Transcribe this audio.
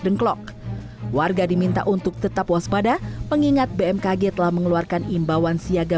dengklok warga diminta untuk tetap waspada mengingat bmkg telah mengeluarkan imbauan siaga